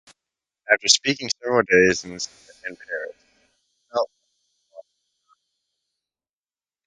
After spending several days in Paris, he felt lonely and wanted to return home.